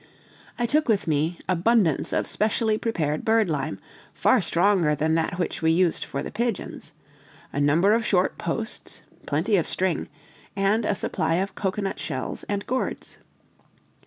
I took with me abundance of specially prepared birdlime, far stronger than that which we used for the pigeons; a number of short posts, plenty of string, and a supply of cocoanut shells and gourds.